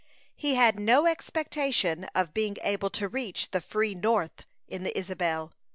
He had no expectation of being able to reach the free North in the Isabel.